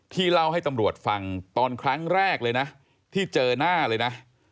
เล่าให้ตำรวจฟังตอนครั้งแรกเลยนะที่เจอหน้าเลยนะ